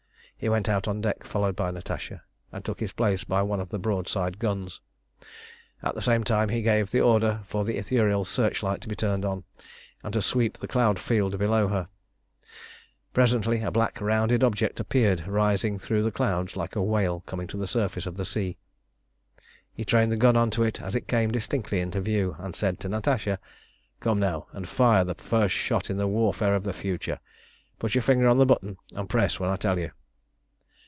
He went out on deck, followed by Natasha, and took his place by one of the broadside guns. At the same time he gave the order for the Ithuriel's searchlight to be turned on, and to sweep the cloud field below her. Presently a black rounded object appeared rising through the clouds like a whale coming to the surface of the sea. He trained the gun on to it as it came distinctly into view, and said to Natasha "Come, now, and fire the first shot in the warfare of the future. Put your finger on the button, and press when I tell you."